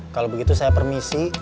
kalau begitu saya permisi